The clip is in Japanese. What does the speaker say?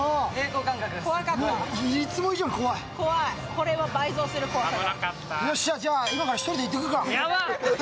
これは倍増する、怖さが。